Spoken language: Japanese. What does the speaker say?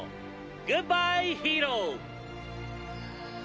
グッバイヒーロー！」